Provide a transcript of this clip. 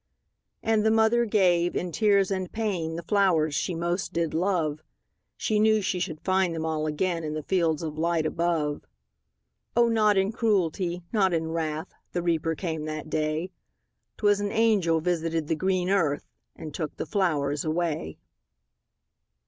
'' And the mother gave, in tears and pain, The flowers she most did love; She knew she should find them all again In the fields of light above. O, not in cruelty, not in wrath, The Reaper came that day; 'Twas an angel visited the green earth, And took the flowers away.